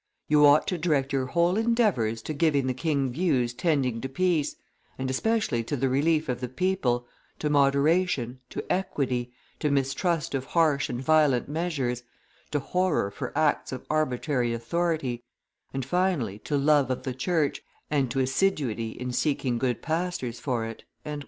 You ought to direct your whole endeavors to giving the king views tending to peace, and especially to the relief of the people, to moderation, to equity, to mistrust of harsh and violent measures, to horror for acts of arbitrary authority, and finally to love of the Church, and to assiduity in seeking good pastors for it."